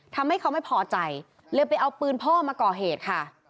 ทำให้เขาไม่พอใจเลยไปเอาปืนพ่อมาก่อเหตุค่ะ